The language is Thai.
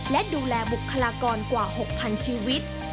และดูแลบุคลากรกว่า๖๐๐๐ชีวิต